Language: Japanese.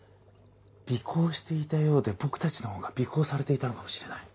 尾行していたようで僕たちのほうが尾行されていたのかもしれない。